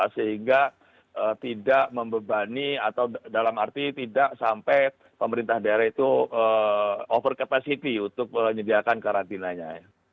sehingga tidak membebani atau dalam arti tidak sampai pemerintah daerah itu over capacity untuk menyediakan karantinanya